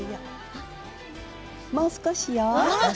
もう少しよ。